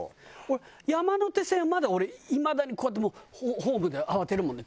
山手線はまだ俺いまだにこうやってもうホームで慌てるもんね。